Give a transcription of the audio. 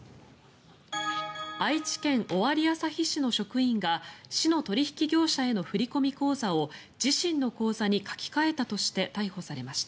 愛知県尾張旭市の職員が市の取引業者への振込口座を自身の口座に書き換えたとして逮捕されました。